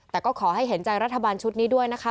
แต่ก็ขอให้เห็นใจรัฐบาลชุดนี้ด้วยนะคะ